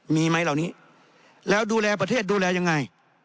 มีไหมเหล่านี้แล้วดูแลประเทศดูแลยังไง